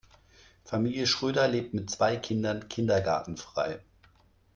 Familie Schröder lebt mit zwei Kindern Kindergartenfrei.